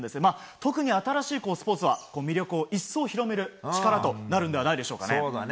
特に新しいスポーツは魅力を一層広める力となるのではないでしょうかね。